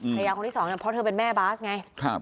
คนที่สองเนี่ยเพราะเธอเป็นแม่บาสไง